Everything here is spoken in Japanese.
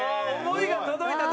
想いが届いた。